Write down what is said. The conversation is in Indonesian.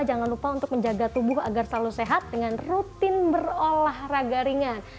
jangan lupa untuk menjaga tubuh agar selalu sehat dengan rutin berolahraga ringan